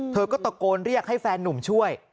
เธอก็ตะโกนเรียกให้แฟนนุ่มช่วย